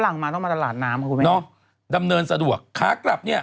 ฝรั่งมาต้องมาตลาดน้ำเนอะดำเนินสะดวกค้ากลับเนี้ย